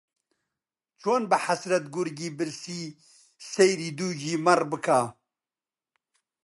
چۆن بە حەسرەت گورگی برسی سەیری دووگی مەڕ بکا